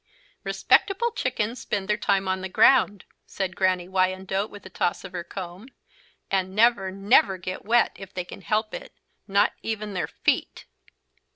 "Respectable chickens spend their time on the ground," said Granny Wyandotte with a toss of her comb, "and never, never get wet, if they can help it, not even their feet."